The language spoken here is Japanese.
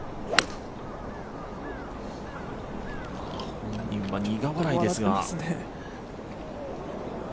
本人は苦笑いですか。